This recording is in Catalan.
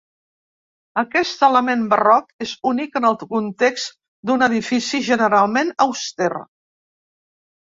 Aquest element barroc és únic en el context d'un edifici generalment auster.